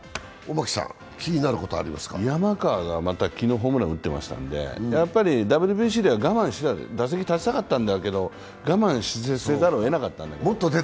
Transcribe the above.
山川がまた昨日ホームラン打ってましたんで、ＷＢＣでは打席に立ちたかったんだけど我慢せざるをえなかった。